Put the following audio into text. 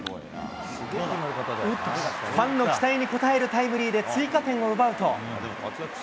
ファンの期待に応えるタイムリーで追加点を奪うと。